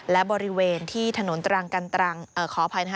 และบริเวณที่ถนนตรังกันตรังขออภัยนะคะ